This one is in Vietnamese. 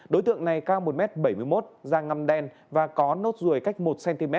đối tượng này cao một m bảy mươi một da ngâm đen và có nốt ruồi cách một cm